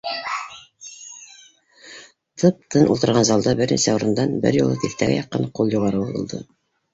Тып-тын ултырған залда бер нисә урындан бер юлы тиҫтәгә яҡын ҡул юғары һуҙылды